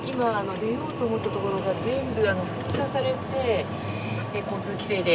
出ようと思ったところが全部、封鎖されて交通規制で。